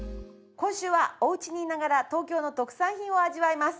今週はおうちにいながら東京の特産品を味わいます。